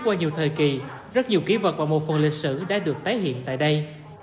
qua nhiều thời kỳ rất nhiều ký vật và một phần lịch sử đã được tái hiện tại đây